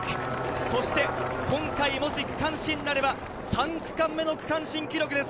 そして今回もし区間新となれば３区間目の区間新記録です。